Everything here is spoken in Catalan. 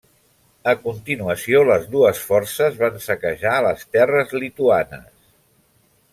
A continuació les dues forces van saquejar les terres lituanes.